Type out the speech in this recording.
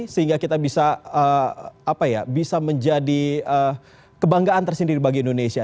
sehingga kita bisa menjadi kebanggaan tersendiri bagi indonesia